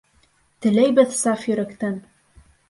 Теләйбеҙ саф йөрәктән!